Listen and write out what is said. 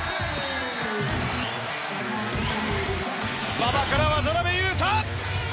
馬場から渡邊雄太！